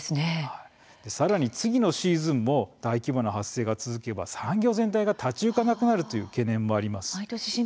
さらに次のシーズンも大規模の発生が続けば産業全体が立ち行かなくなるという懸念もあります。